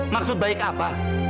maksud baik apa